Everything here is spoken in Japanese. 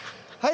はい。